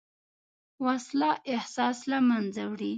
وسله احساس له منځه وړي